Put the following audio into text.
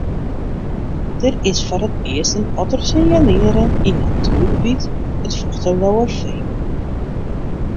Der is foar it earst in otter sinjalearre yn natuergebiet it Fochtelerfean.